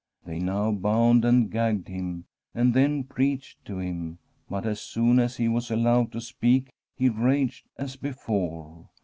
They now bound and gagged him, and then preached to him ; but as soon as he was allowed to speak he raged as before.